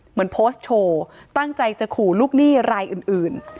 เหมือนโพสต์โชว์ตั้งใจจะขู่ลูกหนี้รายอื่น